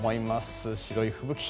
白い吹雪。